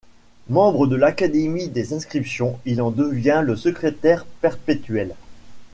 Membre de l'Académie des Inscriptions, il en devient le secrétaire perpétuel.